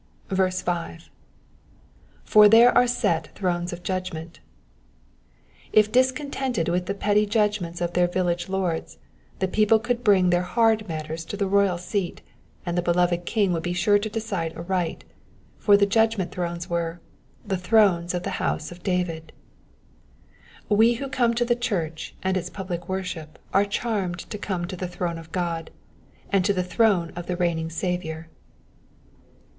Digitized by VjOOQIC PSALM ONE HUNDRED AND TWENTY TWO. 431 6. ^^For there are set thrones of judgment.'*^ If discontented with the petty judgments of their village lords, the people could bring their hard matters to the royal seat, and the beloved King would be sure to decide aright ; for the judgment thrones were ^^The thrones of the house of David,^'* We who come to the church and its public worship are charmed to come to the throne of God, and to the throne of the reigning Saviour.